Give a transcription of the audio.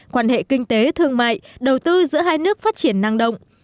quan hệ kinh tế thương mại đầu tư giữa hai nước phát triển năng động